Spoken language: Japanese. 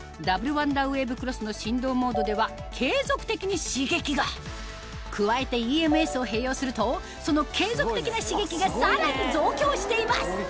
ワンダーウェーブクロスの振動モードでは継続的に刺激が加えてＥＭＳを併用するとその継続的な刺激がさらに増強しています